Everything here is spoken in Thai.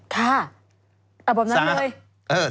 ค่ะตรงนั้นเลย